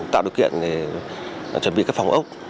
tạo điều kiện để chuẩn bị các phòng ốc